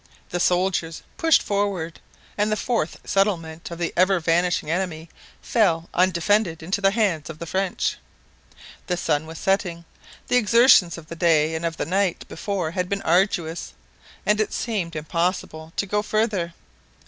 The soldiers pushed forward, and the fourth settlement of the ever vanishing enemy fell undefended into the hands of the French. The sun was setting; the exertions of the day and of the night before had been arduous, and it seemed impossible to go farther.